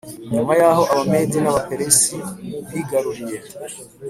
nyuma y aho Abamedi n Abaperesi bigaruriye